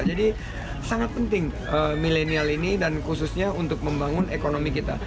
jadi sangat penting milenial ini dan khususnya untuk membangun ekonomi kita